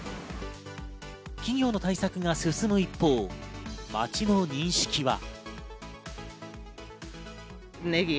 企業の対策が進む一方、街の認識は。